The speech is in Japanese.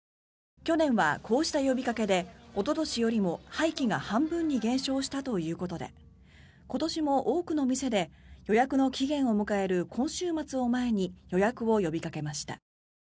去年はこうした呼びかけでおととしよりも廃棄が半分に減少したということで今年も多くの店で予約の期限を迎える今週末を前に予約を呼びかけました。